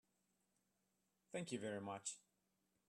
Thank you very much.